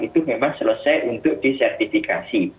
itu memang selesai untuk disertifikasi